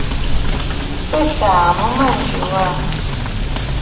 Bɨ tàà mə̂ a mânjì wâ.